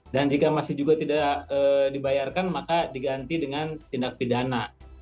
dan jika masih juga tidak dibayarkan maka diganti dengan tindak pidana